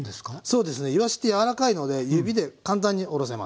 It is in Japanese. そうですねいわしって柔らかいので指で簡単におろせます。